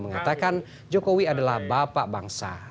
mengatakan jokowi adalah bapak bangsa